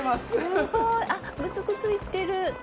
すごい！あっグツグツいってる。